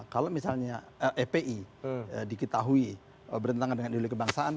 kalau misalnya fpi dikitahui bertentangan dengan diri kebangsaan